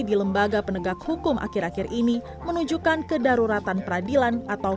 di lembaga penegak hukum akhir akhir ini menunjukkan kedaruratan peradilan atau